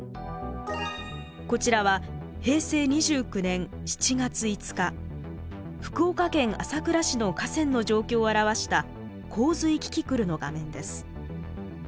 こちらは平成２９年７月５日福岡県朝倉市の河川の状況を表した洪水キキクルの画面です。